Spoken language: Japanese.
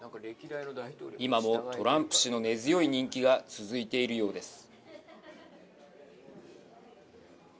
今もトランプ氏の根強い人気が続いているようです。